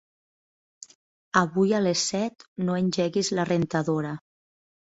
Avui a les set no engeguis la rentadora.